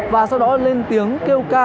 và sau đó lên tiếng kêu ca